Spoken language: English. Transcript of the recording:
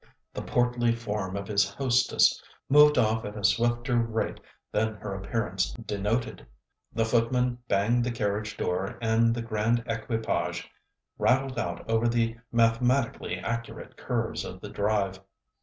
The portly form of his hostess moved off at a swifter rate than her appearance denoted. The footman banged the carriage door, and the grand equipage rattled out over the mathematically accurate curves of the drive.